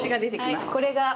これが。